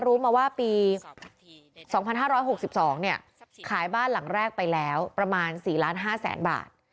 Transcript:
รู้มาว่าปีสองพันห้าร้อยหกสิบสองเนี้ยขายบ้านหลังแรกไปแล้วประมาณสี่ล้านห้าแสนบาท